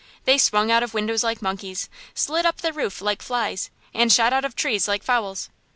They swung out of windows like monkeys, slid up the roof like flies, and shot out of trees like fowls.